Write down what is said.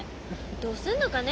どうすんのかね